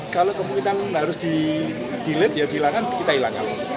kalau kemungkinan harus di delate ya silahkan kita hilangkan